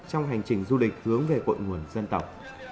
trong hành trình du lịch hướng về cội nguồn dân tộc